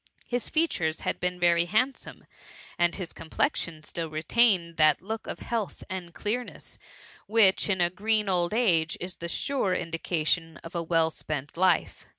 His features iiad been very handsome, and his complexion still retained tbftt look of health and clearness, which, in a VOL. I. c S6 7Hft atCMMT. green old age, is the sure indication of a well spent b*fe.